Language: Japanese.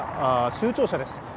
州庁舎です。